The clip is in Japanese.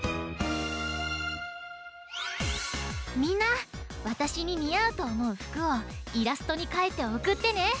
みんなわたしににあうとおもうふくをイラストにかいておくってね！